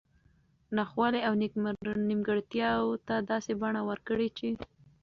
نا خوالي او نیمګړتیاوو ته داسي بڼه ورکړي چې